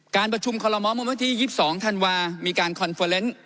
การประชุมคอลโลมอลเมื่อวันที่๒๒ธันวามีการคอนเฟอร์เนส์